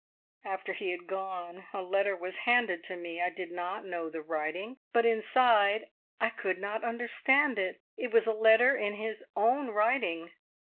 "After he had gone a letter was handed to me. I did not know the writing, but inside I could not understand it was a letter in his own writing.